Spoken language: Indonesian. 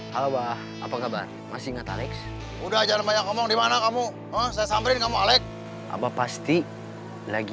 kalau abah kalah abah jangan berharap raya kembali lagi